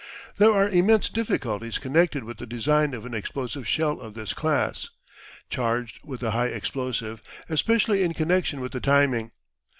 There are immense difficulties connected with the design of an explosive shell of this class, charged with a high explosive, especially in connection with the timing.